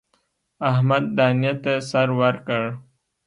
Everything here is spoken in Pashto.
احمد دانې ته سر ورکړ.